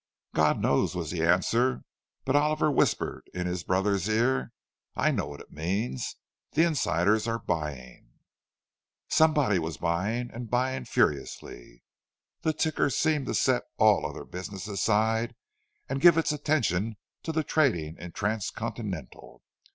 "God knows," was the answer; but Oliver whispered in his brother's ear, "I know what it means. The insiders are buying." Somebody was buying, and buying furiously. The ticker seemed to set all other business aside and give its attention to the trading in Transcontinental.